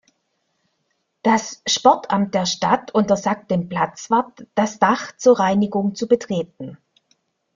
Das Sportamt der Stadt untersagt dem Platzwart das Dach zur Reinigung zu betreten.